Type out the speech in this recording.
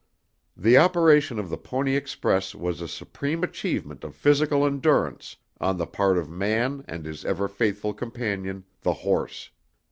The operation of the Pony Express was a supreme achievement of physical endurance on the part of man and his ever faithful companion, the horse.